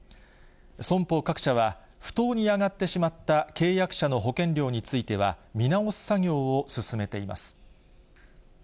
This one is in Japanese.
損保各社は、不当に上がってしまった契約者の保険料については、見直す作業を進めています。